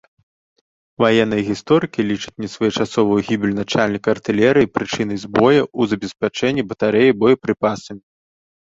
Ваенныя гісторыкі лічаць несвоечасовую гібель начальніка артылерыі прычынай збояў у забеспячэнні батарэй боепрыпасамі.